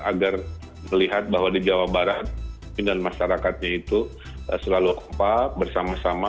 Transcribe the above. agar melihat bahwa di jawa barat pindahan masyarakatnya itu selalu kompak bersama sama